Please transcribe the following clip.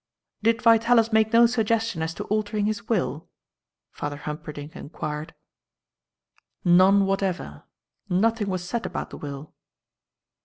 "Did Vitalis make no suggestion as to altering his will?" Father Humperdinck enquired. "None whatever. Nothing was said about the will.